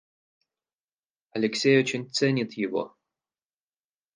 Алексей очень ценит его.